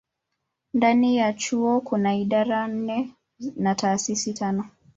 Ndani ya chuo kuna idara nne na taasisi tano.